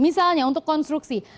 misalnya untuk konstruksi